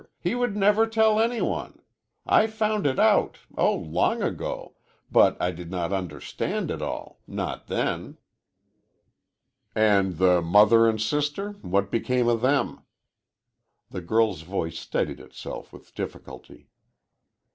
He would never tell any one! I found it out oh, long ago but I did not understand it all not then." "And the mother and sister what became of them?" The girl's voice steadied itself with difficulty.